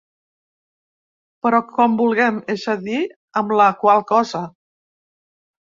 Però com vulguem, és a dir, amb la qual cosa ….